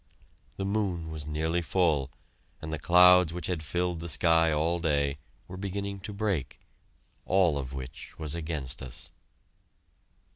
The moon was nearly full and the clouds which had filled the sky all day, were beginning to break, all of which was against us.